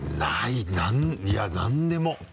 いや何でも。